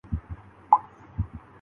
اگر ایسا ہے۔